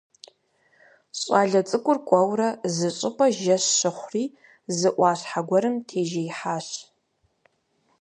ЩӀалэ цӀыкӀур кӀуэурэ, зыщӀыпӀэ жэщ щыхъури, зы Ӏуащхьэ гуэрым тежеихьащ.